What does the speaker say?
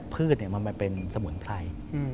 พืชมันมาเป็นสมุนไพร